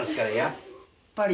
やっぱり。